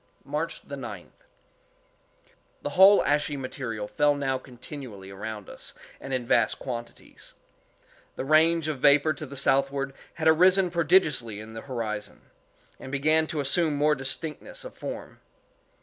March 9th. The whole ashy material fell now continually around us, and in vast quantities. The range of vapor to the southward had arisen prodigiously in the horizon, and began to assume more distinctness of form.